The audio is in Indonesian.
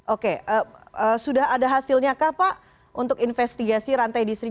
oke sudah ada hasilnya kah pak untuk investigasi rantai distribusi